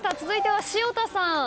続いては潮田さん。